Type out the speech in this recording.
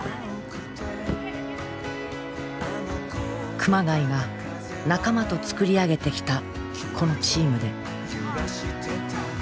熊谷が仲間と作り上げてきたこのチームで。